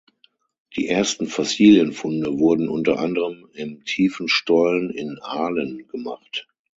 Die ersten Fossilienfunde wurden unter anderem im Tiefen Stollen in Aalen gemacht.